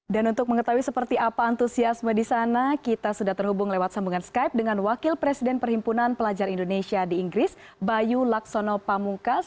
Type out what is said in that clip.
dan untuk mengetahui seperti apa antusiasme di sana kita sudah terhubung lewat sambungan skype dengan wakil presiden perhimpunan pelajar indonesia di inggris bayu laksono pamungkas